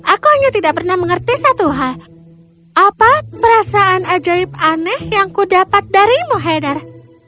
aku hanya tidak pernah mengerti satu hal apa perasaan ajaib aneh yang kudapat darimu heather